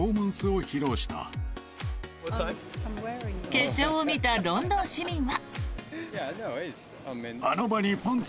決勝を見たロンドン市民は。